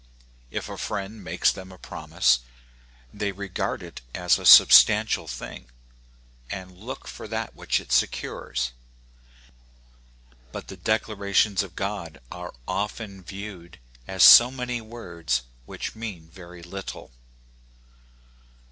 If a friend makes them a promise, they regard it as a substantial thing, and look for that which it secures ; but the declarations of God are often viewed as so many words which mean very little.